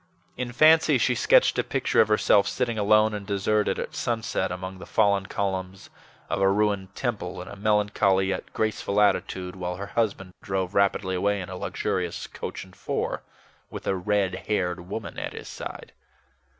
In fancy, she sketched a picture of herself sitting alone and deserted, at sunset, among the fallen columns of a ruined temple, in a melancholy yet graceful attitude, while her husband drove rapidly away in a luxurious coach and four, with a red haired woman at his side.